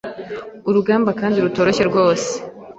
urugamba kandi rutoroshye rwose